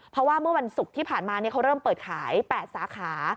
เพราะว่าเมื่อวันศุกร์ที่ผ่านมาเขาเริ่มเปิดขาย๘สาขา